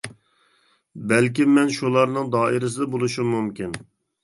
بەلكىم مەن شۇلارنىڭ دائىرىسىدە بولۇشۇم مۇمكىن.